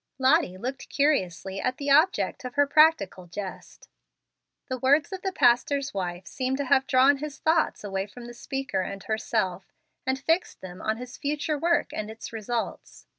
Lottie looked curiously at the object of her practical jest. The words of the pastor's wife seemed to have drawn his thoughts away from the speaker and herself, and fixed them on his future work and its results.